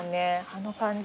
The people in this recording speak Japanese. あの感じ。